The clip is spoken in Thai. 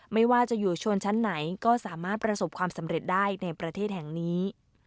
ไม่ว่าจะอยู่ชนชั้นไหนก็สามารถประสบความสำเร็จได้ในประเทศแห่งนี้